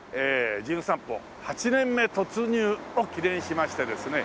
『じゅん散歩』８年目突入を記念しましてですね